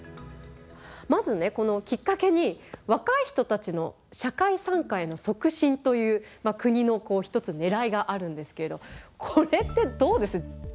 まずねこのきっかけに若い人たちの社会参加への促進という国の一つねらいがあるんですけれどこれってどうです？